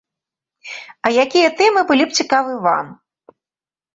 А якія тэмы былі б цікавы вам?